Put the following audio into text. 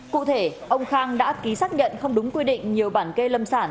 cụ thể ông khang đã ký xác nhận không đúng quy định nhiều bản kê lâm sản